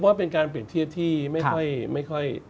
ผมว่าเป็นการเปลี่ยนเทียบที่ไม่ค่อย